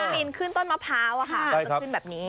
ขึ้นขึ้นต้นมะพร้าวอะค่ะก็ขึ้นแบบนี้